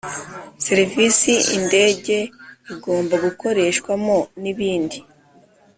Serivisi indege igomba gukoreshwamo n ibindi